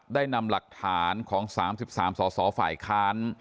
ได้นำหลักฐานของ๓๓สสฝ่ายค้าน